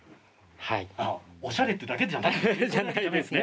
おしゃれなだけじゃないんですね。